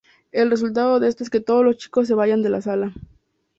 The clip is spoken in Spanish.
El resultado de esto es que todos los chicos se vayan de la sala.